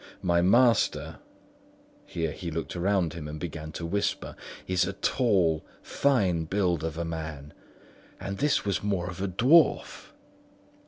My master"—here he looked round him and began to whisper—"is a tall, fine build of a man, and this was more of a dwarf."